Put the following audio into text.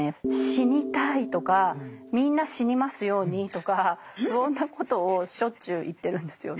「死にたい」とか「みんな死にますように」とか不穏なことをしょっちゅう言ってるんですよね。